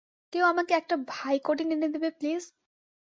কেউ আমাকে একটা ভাইকোডিন এনে দেবে প্লিজ?